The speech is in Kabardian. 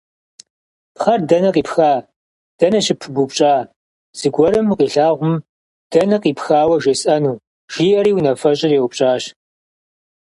«Пхъэр дэнэ къипха, дэнэ щыпыбупщӏа, зыгуэрым укъилъагъум дэнэ къипхауэ жесӏэну?» – жиӏэри унафэщӏыр еупщӏащ.